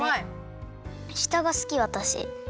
したがすきわたし。